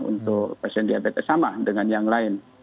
untuk pasien diabetes sama dengan yang lain